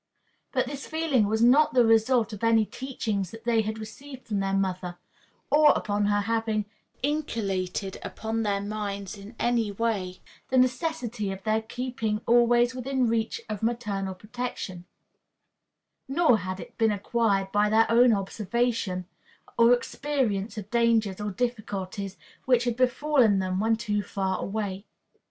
But this feeling was not the result of any teachings that they had received from their mother, or upon her having inculcated upon their minds in any way the necessity of their keeping always within reach of maternal protection; nor had it been acquired by their own observation or experience of dangers or difficulties which had befallen them when too far away.